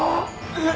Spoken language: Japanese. えっ！